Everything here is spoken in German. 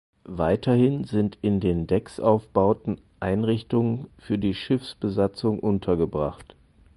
Weiterhin sind in den Decksaufbauten Einrichtungen für die Schiffsbesatzung untergebracht.